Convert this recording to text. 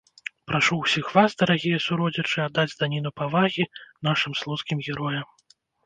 Прашу ўсіх вас, дарагія суродзічы, аддаць даніну павагі нашым слуцкім героям!